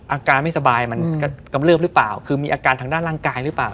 อาการไม่สบายมันก็กำเริบหรือเปล่าคือมีอาการทางด้านร่างกายหรือเปล่า